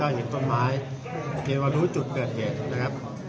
ก็เห็นต้นไม้เห็นว่ารู้จุดเกิดเหยียด